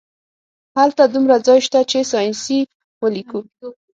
هلته دومره ځای شته چې ساینسي ولیکو